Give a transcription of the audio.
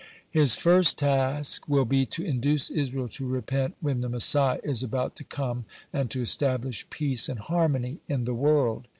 His first task will be to induce Israel to repent when the Messiah is about to come, (106) and to establish peace and harmony in the world.